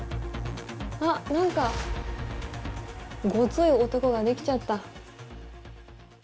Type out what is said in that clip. あっ何かゴツイ男ができちゃった。